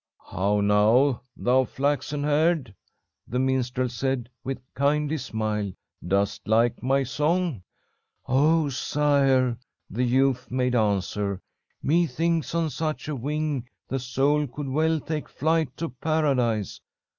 "'How now, thou flaxen haired,' the minstrel said, with kindly smile. 'Dost like my song?' "'Oh, sire,' the youth made answer, 'methinks on such a wing the soul could well take flight to Paradise.